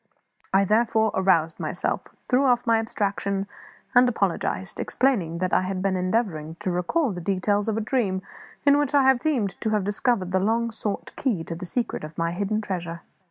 I therefore aroused myself, threw off my abstraction, and apologised; explaining that I had been endeavouring to recall the details of a dream in which I seemed to have discovered the long sought key to the secret of my hidden treasure.